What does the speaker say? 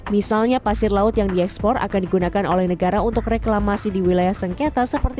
misalnya pasir laut yang diekspor akan digunakan oleh negara untuk reklamasi di wilayah sengketa seperti